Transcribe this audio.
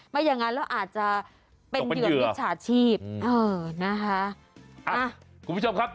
ไม่อย่างนั้นเราอาจจะเป็นเหยื่อในสถาชีพเออนะฮะคุณผู้ชมครับ